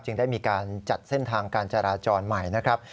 ได้มีการจัดเส้นทางการจราจรใหม่นะครับ